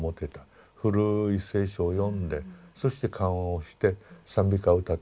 古い聖書を読んでそして賛美歌を歌ってた。